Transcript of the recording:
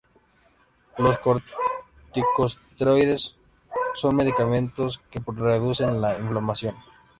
Los corticosteroides son medicamentos que reducen la inflamación.